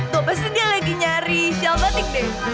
tuh pasti dia lagi nyari shal batik deh